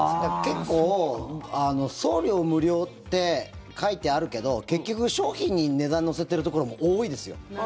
結構送料無料って書いてあるけど結局、商品に値段乗せてるところも多いです。